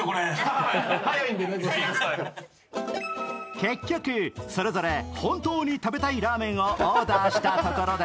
結局、それぞれ本当に食べたいラーメンをオーダーしたところで